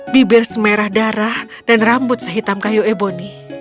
bibir semerah darah dan rambut sehitam kayu eboni